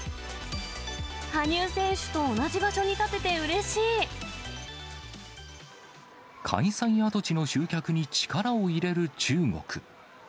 羽生選手と同じ場所に立てて開催跡地の集客に力を入れる中国。